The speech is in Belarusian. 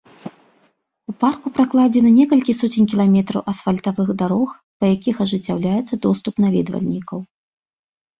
У парку пракладзена некалькі соцень кіламетраў асфальтавых дарог, па якіх ажыццяўляецца доступ наведвальнікаў.